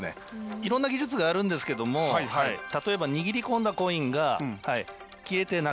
いろんな技術があるんですけども例えば握り込んだコインが消えてなくなると。